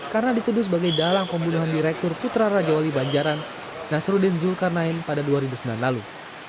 karena dituduh sebagai dalang pembunuhan direktur putra raja wali banjaran nasrudin zulkarnain pada dua ribu sembilan lalu